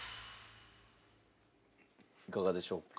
いかがでしょうか？